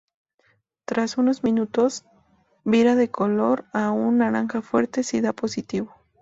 Tras unos minutos, vira de color a un naranja fuerte si da positivo.